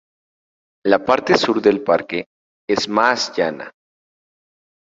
La parte sur del parque es más llana.